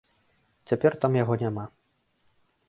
Цяпер там яго няма.